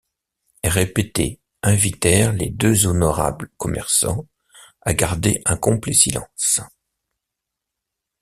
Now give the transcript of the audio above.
répétés invitèrent les deux honorables commerçants à garder un complet silence.